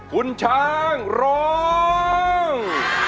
คุณช้างร้อง